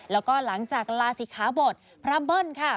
แล้วก็หลังจากลาศิขาบทพระเบิ้ลค่ะ